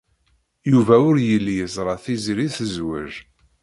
Yuba ur yelli yeẓra Tiziri tezwej.